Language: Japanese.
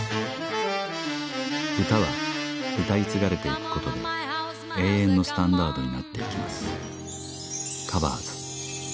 歌は歌い継がれていくことで永遠のスタンダードになっていきます